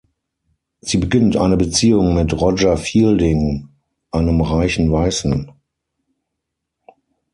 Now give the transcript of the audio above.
Sie beginnt eine Beziehung mit Roger Fielding, einem reichen Weißen.